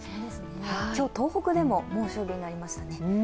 今日、東北でも猛暑日になりましたね。